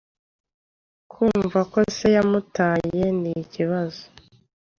kumva ko Se yamutaye nikibazo